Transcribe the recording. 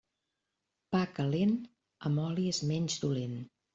Pa calent, amb oli és menys dolent.